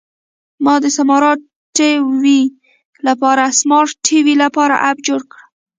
ما د سمارټ ټي وي لپاره اپ جوړ کړ.